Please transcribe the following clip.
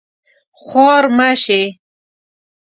خوار مه شې